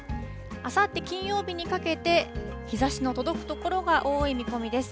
あさって金曜日にかけて、日ざしの届く所が多い見込みです。